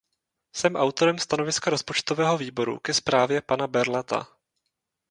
Jsem autorem stanoviska Rozpočtového výboru ke zprávě pana Berlata.